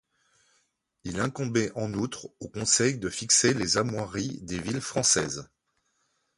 Il incombait en outre au Conseil de fixer les armoiries des villes françaises.